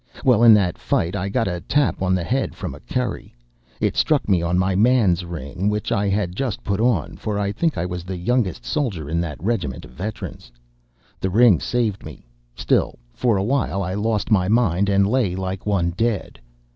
Well, in that fight I got a tap on the head from a kerry. It struck me on my man's ring which I had just put on, for I think I was the youngest soldier in that regiment of veterans. The ring saved me; still, for a while I lost my mind and lay like one dead.